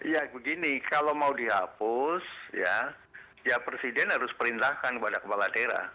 ya begini kalau mau dihapus ya presiden harus perintahkan kepada kepala daerah